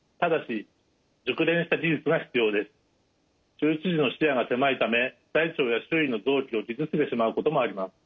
手術時の視野が狭いため大腸や周囲の臓器を傷つけてしまうこともあります。